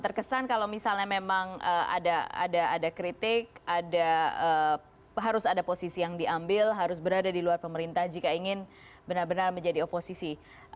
terkesan kalau misalnya memang ada kritik harus ada posisi yang diambil harus berada di luar pemerintah jika ingin benar benar menjadi oposisi